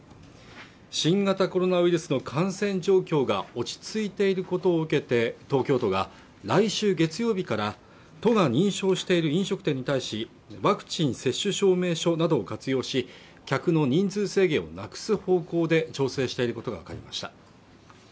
新型コロナウイルスの感染状況が落ち着いていることを受けて東京都が来週月曜日から都が認証している飲食店に対しワクチン接種証明書などを活用し客の人数制限をなくす方向で調整していることが分かりました